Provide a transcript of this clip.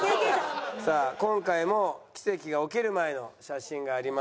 さあ今回も奇跡が起きる前の写真があります。